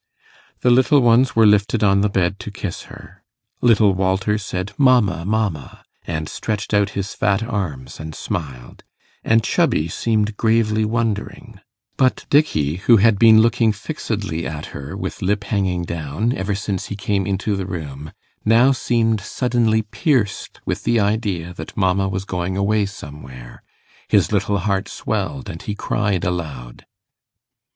The little ones were lifted on the bed to kiss her. Little Walter said, 'Mamma, mamma', and stretched out his fat arms and smiled; and Chubby seemed gravely wondering; but Dickey, who had been looking fixedly at her, with lip hanging down, ever since he came into the room, now seemed suddenly pierced with the idea that mamma was going away somewhere; his little heart swelled and he cried aloud.